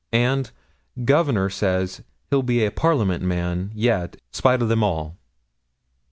And, 'Governor says, he'll be a Parliament man yet, spite o' them all.'